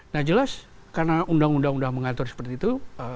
nah jelas karena undang undang sudah mengatur seperti itu